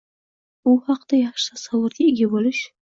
u haqda yaxshi tasavvurga ega bo‘lish